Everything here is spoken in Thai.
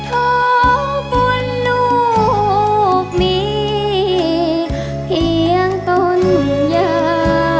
โทษบุญลูกมีเพียงตุญญา